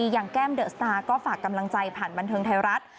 อย่างแก้มเดอะสตาร์ก็ฝากกำลังใจผ่านบันเทิงไทยรัฐ